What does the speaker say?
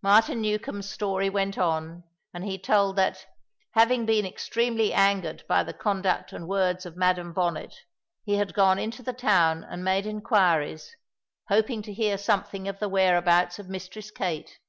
Martin Newcombe's story went on, and he told that, having been extremely angered by the conduct and words of Madam Bonnet, he had gone into the town and made inquiries, hoping to hear something of the whereabouts of Mistress Kate.